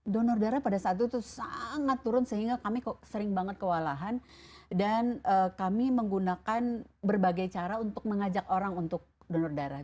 donor darah pada saat itu sangat turun sehingga kami sering banget kewalahan dan kami menggunakan berbagai cara untuk mengajak orang untuk donor darah